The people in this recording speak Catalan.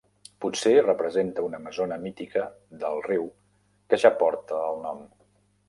Potser representa una amazona mítica del riu que ja porta el nom.